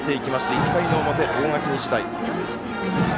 １回の表、大垣日大。